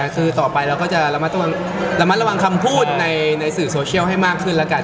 คือต่อไปเราก็จะระมัดระวังคำพูดในสื่อโซเชียลให้มากขึ้นแล้วกัน